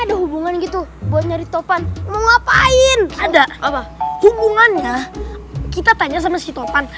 ada hubungan gitu buat nyari topan mau ngapain ada apa hubungannya kita tanya sama si topan